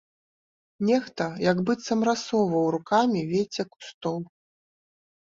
Нехта як быццам рассоўваў рукамі вецце кустоў.